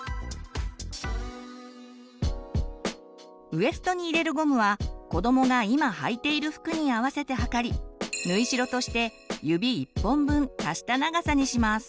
ウエストに入れるゴムはこどもが今はいている服に合わせて測り縫い代として指１本分足した長さにします。